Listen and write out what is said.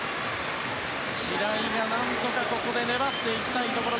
白井何とか粘っていきたいところ。